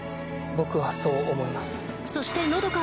僕はそう思います。